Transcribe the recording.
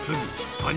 カニ。